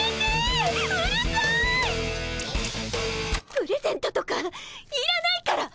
プレゼントとかいらないから！